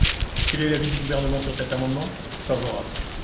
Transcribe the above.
Quel est l’avis du Gouvernement sur cet amendement ? Favorable.